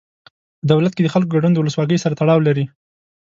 په دولت کې د خلکو ګډون د ولسواکۍ سره تړاو لري.